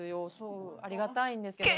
ありがたいんですけども。